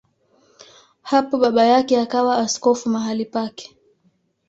Hapo baba yake akawa askofu mahali pake.